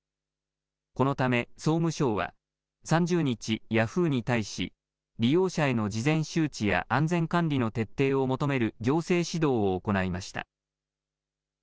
このため総務省は３０日、ヤフーに対し利用者への事前周知や安全管理の徹底を求める行政指導を行いました。